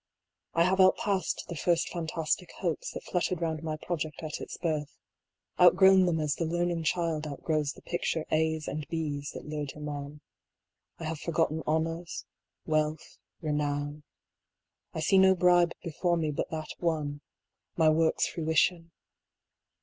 I have outpast the first fantastic hopes that fluttered round my project at its birth, outgrown them as the learning child outgrows the picture A's and B's that lured him on; I have forgotten honours, wealth, renown, I see no bribe before me but that one, my work's fruition.